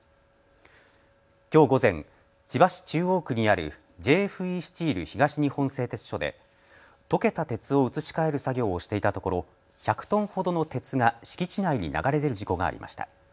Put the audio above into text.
きょう午前、千葉市中央区にあるＪＦＥスチール東日本製鉄所で溶けた鉄を移し替える作業をしていたところ、１００トンほどの鉄が敷地内に流れ出る事故がありました。